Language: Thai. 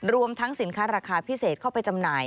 รวมทั้งสินค้าราคาพิเศษเข้าไปจำหน่าย